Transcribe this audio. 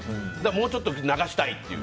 もうちょっと流したいっていう。